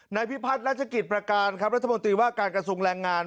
พิพัฒน์รัชกิจประการครับรัฐมนตรีว่าการกระทรวงแรงงาน